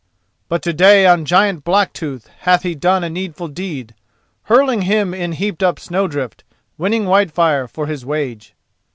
But to day on Giant Blacktooth Hath he done a needful deed: Hurling him in heaped up snowdrift; Winning Whitefire for his wage."